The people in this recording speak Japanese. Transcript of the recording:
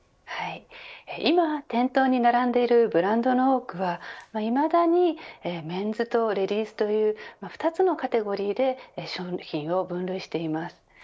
今、店頭に並んでいるブランドの多くはいまだにメンズとレディースという２つのカテゴリーで商品を分類しています。